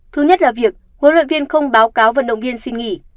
thứ nhất là việc huấn luyện viên không báo cáo vận động viên xin nghỉ